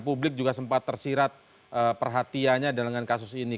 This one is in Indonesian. publik juga sempat tersirat perhatianya dengan kasus ini